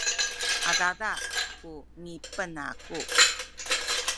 adada ku ngipen aku